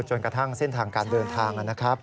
จนกระทั่งเส้นทางการเดินทางนะครับ